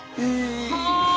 はあ！